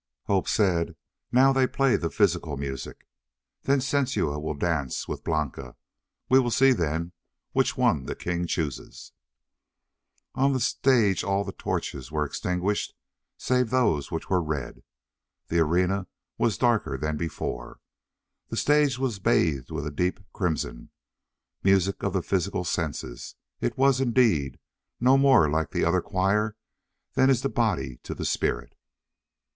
Hope said, "Now they play the physical music. Then Sensua will dance with Blanca. We will see then which one the king chooses." On the stage all the torches were extinguished save those which were red. The arena was darker than before. The stage was bathed with a deep crimson. Music of the physical senses! It was, indeed, no more like the other choir than is the body to the spirit.